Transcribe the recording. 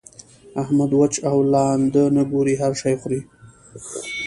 احمد؛ وچ او لانده نه ګوري؛ هر شی خوري.